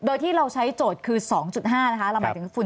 โดยที่เราใช้โจทย์คือ๒๕นะคะเราหมายถึงฝุ่น